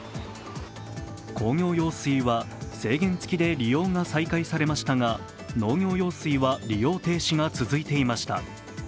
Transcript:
工業用水は制限つきで利用が再開されましたが、農業用水は利用停止が続いていました。